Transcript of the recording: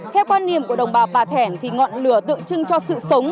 theo quan niệm của đồng bào bà thẻn thì ngọn lửa tự trưng cho sự sống